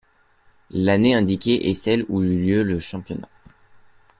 L'année indiquée est celle où eut lieu le championnat.